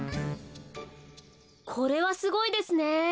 これはすごいですね。